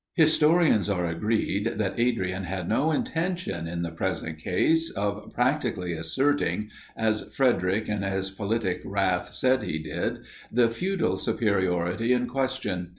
Historians are agreed that Adrian had no intention, in the present case, of practically asserting, as Frederic in his politic wrath said he did, the feudal superiority in question.